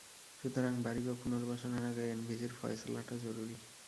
সুতরাং বাড়ি বা পুনর্বাসনের আগে এনভিসির ফয়সালাটা জরুরি।